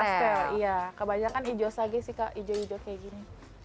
oke iya kebanyakan hijau sage sih kak hijau hijau kayak gini